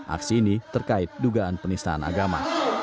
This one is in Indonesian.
aksi ini terkait dugaan penistaan agama